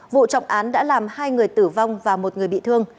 vụ trọng án đã làm hai người tử vong và một người bị thương